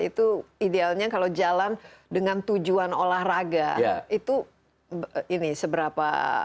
itu idealnya kalau jalan dengan tujuan olahraga itu ini seberapa